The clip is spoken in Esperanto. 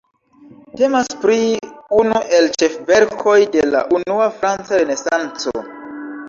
Temas pri unu el ĉefverkoj de la unua franca Renesanco.